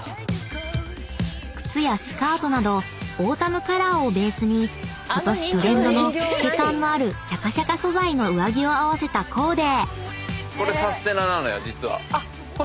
［靴やスカートなどオータムカラーをベースにことしトレンドの透け感のあるシャカシャカ素材の上着を合わせたコーデ］